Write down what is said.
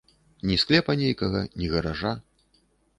Ні склепа нейкага, ні гаража.